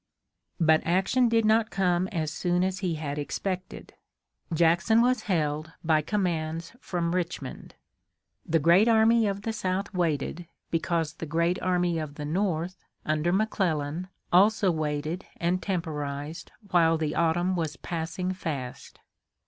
But action did not come as soon as he had expected. Jackson was held by commands from Richmond. The great army of the South waited, because the great army of the North, under McClellan, also waited and temporized while the autumn was passing fast.